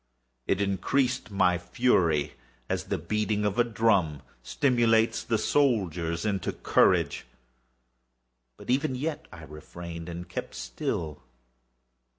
It increased my fury, as the beating of a drum stimulates the soldier into courage. But even yet I refrained and kept still.